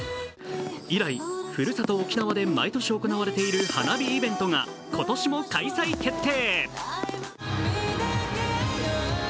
以来、ふるさと沖縄で毎年行われている花火イベントが今年も開催決定。